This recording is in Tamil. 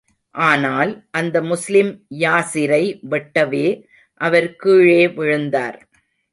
ஆனால், அந்த முஸ்லிம் யாஸிரை வெட்டவே, அவர் கீழே விழுந்தார்.